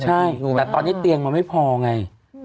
ใช่แต่ตอนนี้เตียงมันไม่พอไง